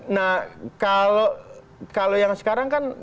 nah kalau yang sekarang kan